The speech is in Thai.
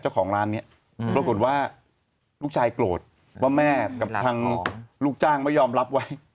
เจ้าของร้านนี้ปรากฏว่าลูกชายโกรธว่าแม่กับทางลูกจ้างไม่ยอมรับไว้